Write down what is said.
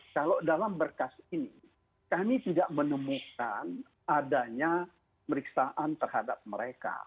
kalau dalam berkas ini kami tidak menemukan adanya periksaan terhadap mereka